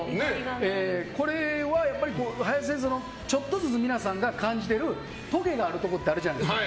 これは、林先生のちょっとずつ皆さんが感じているとげがあるところあるじゃないですか。